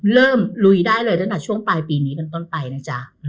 ลุยได้เลยตั้งแต่ช่วงปลายปีนี้เป็นต้นไปนะจ๊ะ